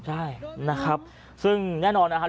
ใช่นะครับซึ่งแน่นอนนะครับ